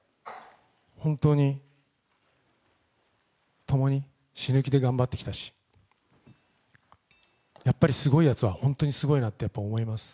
本当にともに死ぬ気で頑張ってきたし、やっぱりすごいやつは本当にすごいなと思います。